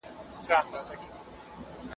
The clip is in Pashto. تجارت بايد د اصولو له مخې وي.